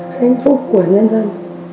hạnh phúc của nhân dân